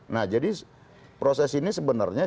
nah jadi proses ini sebenarnya